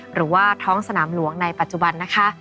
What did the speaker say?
หรือว่าท้องสนามหลวงในปัจจุบันนะคะ